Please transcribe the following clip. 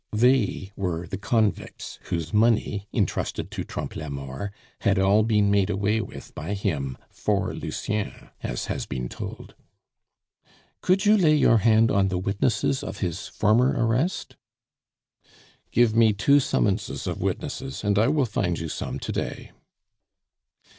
They were the convicts whose money, intrusted to Trompe la Mort, had all been made away with by him for Lucien, as has been told. "Could you lay your hand on the witnesses of his former arrest?" "Give me two summonses of witnesses and I will find you some to day."